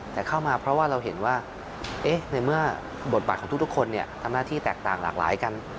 แต่เข้ามาเพราะว่าเราเห็นว่าในเมื่อบทบาทของทุกคนทำหน้าที่แตกต่างหลากหลายกัน